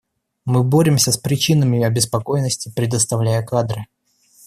Мы боремся с причинами обеспокоенности, предоставляя кадры.